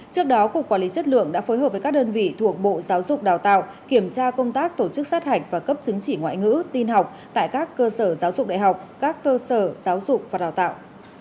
trước đó cục quản lý chất lượng đã phối hợp với các đơn vị thuộc bộ giáo dục đào tạo kiểm tra công tác tổ chức sát hạch và cấp chứng chỉ ngoại ngữ tin học tại các cơ sở giáo dục đại học các cơ sở giáo dục và đào tạo